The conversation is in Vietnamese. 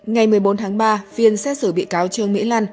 ngày một mươi bốn tháng ba phiên xét xử bị cáo trương mỹ lan